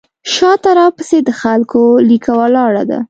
شاته راپسې د خلکو لیکه ولاړه ده.